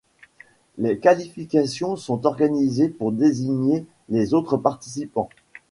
Des qualifications sont organisées pour désigner les autres participants.